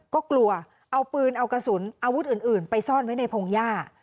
ก็กลัวเอาปืนเอากระสุนอาวุธอื่นไปซ่อนไว้ในพงหญ้า